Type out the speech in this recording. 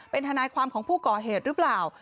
เป็นทนายความของผู้ก่อเหตุหรือเปล่า